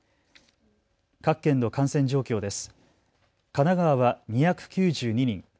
各県の感染状況です。